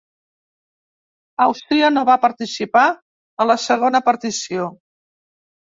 Àustria no va participar a la Segona Partició.